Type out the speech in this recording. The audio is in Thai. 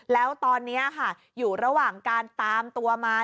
แล้วตอนนี้ค่ะอยู่ระหว่างการตามตัวมา